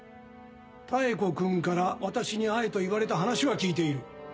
妙子君から私に会えと言われた話は聞いている。